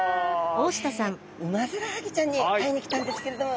ウマヅラハギちゃんに会いに来たんですけれども。